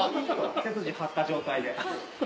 背筋張った状態で。